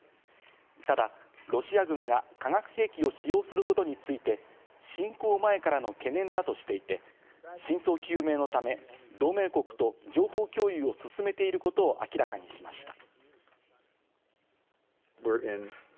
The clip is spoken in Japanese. ただロシア軍が化学兵器を使用することについて侵攻前からの懸念だとしていて、真相究明のため同盟国と情報共有を進めていることを明らかにしました。